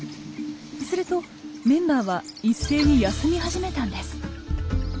するとメンバーは一斉に休み始めたんです。